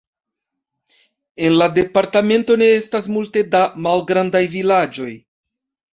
En la departemento ne estas multe da malgrandaj vilaĝoj.